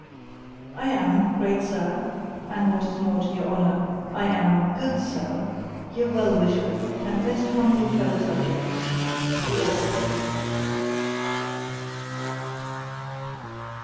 I am, GREAT SIR, (and, what is more to your Honour) I am, GOOD SIR, Your Well wisher, and most humble Fellow subject, T H E A U T H O R.